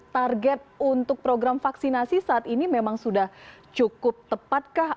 target untuk program vaksinasi saat ini memang sudah cukup tepatkah